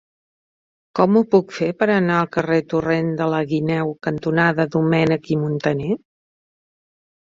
Com ho puc fer per anar al carrer Torrent de la Guineu cantonada Domènech i Montaner?